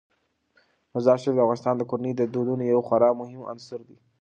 مزارشریف د افغان کورنیو د دودونو یو خورا مهم عنصر دی.